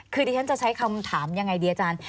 คือดิฉันจะใช้คำถามยังไงดีอาจารย์